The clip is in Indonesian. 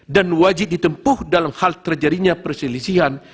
dan wajib ditempuh dalam hal terjadinya perselisihan